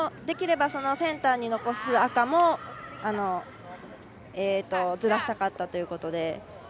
できればセンターに残す赤もずらしたかったということで。